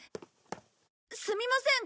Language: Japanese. すみません。